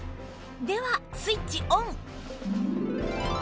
ではスイッチオン